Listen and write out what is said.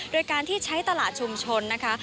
โดยการที่ใช้ตลาดชุมชนนะคะ